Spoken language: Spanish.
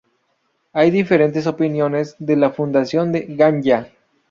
Hay diferentes opiniones de la fundación de Ganyá.